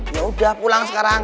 yaudah pulang sekarang